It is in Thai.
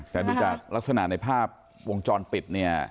แต่ดูจากลักษณะในภาพวงจรปิดเนี่ย